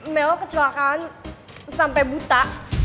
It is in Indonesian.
mel kecelakaan sampai buta